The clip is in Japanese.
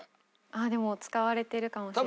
ああでも使われてるかもしれない。